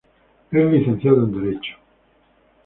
Es licenciado en Derecho.